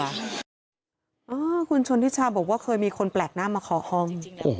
อ้าวคุณชนทิชชาบอกว่าเคยมีคนแปลกหน้ามาขอห้อง